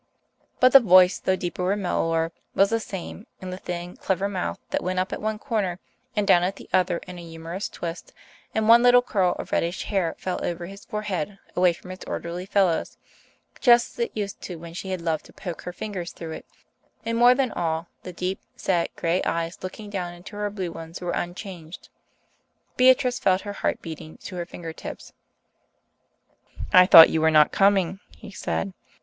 But the voice, though deeper and mellower, was the same, and the thin, clever mouth that went up at one corner and down at the other in a humorous twist; and one little curl of reddish hair fell over his forehead away from its orderly fellows, just as it used to when she had loved to poke her fingers through it; and, more than all, the deep set grey eyes looking down into her blue ones were unchanged. Beatrice felt her heart beating to her fingertips. "I thought you were not coming," he said.